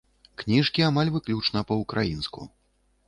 Кніжкі амаль выключна па-украінску.